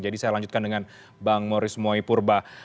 jadi saya lanjutkan dengan bang maurice mwoypurba